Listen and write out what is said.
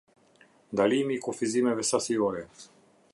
Ndalimi i kufizimeve sasiore.